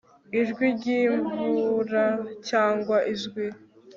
Ijwi ryimvura cyangwa ijwi